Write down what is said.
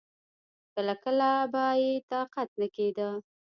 کله کله به يې طاقت نه کېده.